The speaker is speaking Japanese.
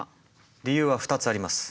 理由は２つあります。